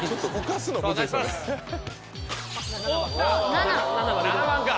７！７番か！